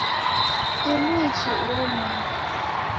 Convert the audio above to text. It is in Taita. Simwichi uo mndu.